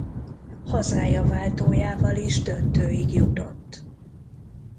Hazája váltójával is döntőig jutott.